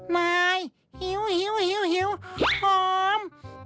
มายหิวหอม